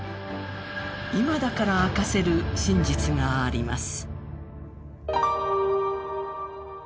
今だから明かせる真実があります。